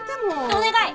お願い！